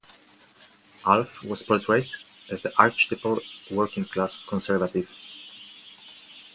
Alf was portrayed as the archetypal working-class Conservative.